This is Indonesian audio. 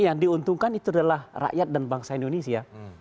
yang diuntungkan itu adalah rakyat dan bangsa indonesia